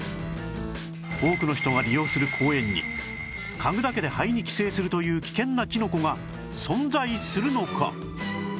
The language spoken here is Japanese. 多くの人が利用する公園に嗅ぐだけで肺に寄生するという危険なキノコが存在するのか？